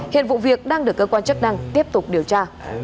hiện vụ việc đang được cơ quan chức năng tiếp tục điều tra